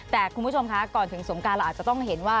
แต่คุณผู้ชมคะก่อนถึงสงการเราอาจจะต้องเห็นว่า